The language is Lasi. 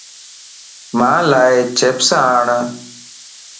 مان لاچپس آڻ